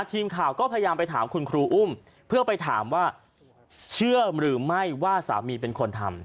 ทีมข่าวก็พยายามไปถามคุณครูอุ้มเพื่อไปถามว่าเชื่อหรือไม่ว่าสามีเป็นคนทำ